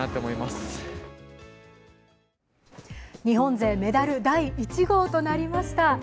日本勢メダル第１号となりました